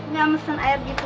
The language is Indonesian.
nggak mesen air gitu